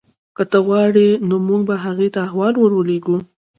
که ته غواړې نو موږ به هغې ته احوال ورلیږو